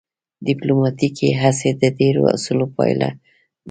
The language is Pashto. ډیپلوماتیکې هڅې د ډیرو اصولو پایله ده